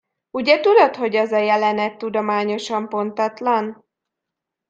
Ugye tudod, hogy az a jelenet tudományosan pontatlan?